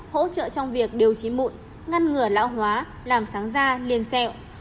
hỗ trợ trong việc điều trị mụn ngăn ngừa lão hóa làm sáng da liền xẹo